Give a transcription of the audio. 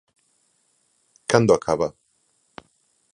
Cando acaba.